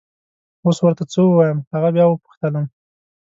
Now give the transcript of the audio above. اوس ور ته څه ووایم! هغه بیا وپوښتلم.